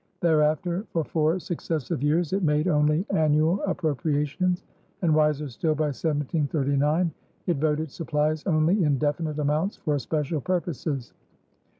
Thereafter for four successive years it made only annual appropriations, and, wiser still by 1739, it voted supplies only in definite amounts for special purposes.